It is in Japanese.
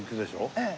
ええ。